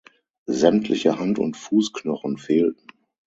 Sämtliche Hand- und Fußknochen fehlten.